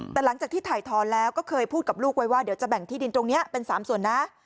แต่หลังจากที่ถ่ายทอนแล้วก็เคยพูดกับลูกไว้ว่าเดี๋ยวจะแบ่งที่ดินตรงนี้เป็น๓ส่วนนะ